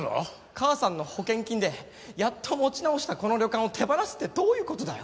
母さんの保険金でやっと持ち直したこの旅館を手放すってどういう事だよ？